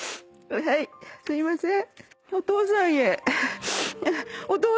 はいすいません。